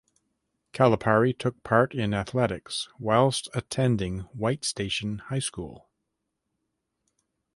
Calipari took part in athletics whilst attending White Station High School.